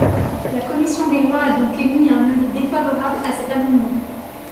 La commission des lois a donc émis un avis défavorable à cet amendement.